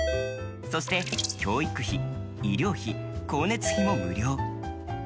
そして教育費、医療費、光熱費も無料。